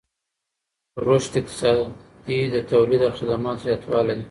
رشد اقتصادي د تولید او خدماتو زیاتوالی دی.